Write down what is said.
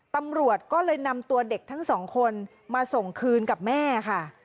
ตำรวจก็เลยนำตัวเด็กทั้งสองคนมาส่งคืนกับแม่ค่ะ